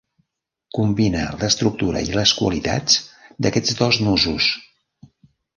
Combina l'estructura i les qualitats d'aquests dos nusos.